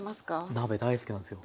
鍋大好きなんですよ。